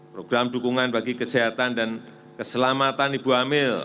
program dukungan bagi kesehatan dan keselamatan ibu hamil